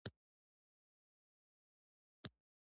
موږ تل یو ځای کار کوو.